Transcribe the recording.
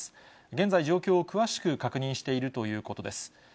現在、状況を詳しく確認しているということです。